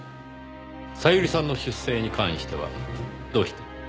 小百合さんの出生に関してはどうして？